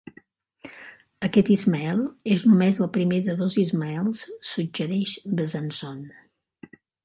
Aquest Ismael és només el primer de dos Ismaels, suggereix Bezanson.